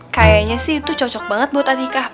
kayanya sih itu cocok banget buat atika